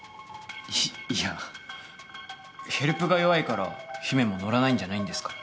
いいやヘルプが弱いから姫も乗らないんじゃないんですか？